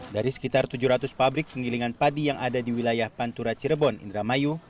dari sekitar tujuh ratus pabrik penggilingan padi yang ada di wilayah pantura cirebon indramayu